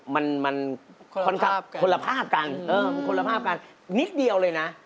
คนละภาพกันค่ะค่ะคนละภาพกันนิดเดียวเลยนะ